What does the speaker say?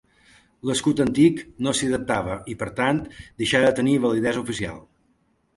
L'escut antic no s'hi adaptava i, per tant, deixà de tenir validesa oficial.